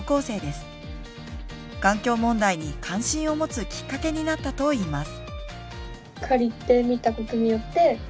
環境問題に関心を持つきっかけになったといいます。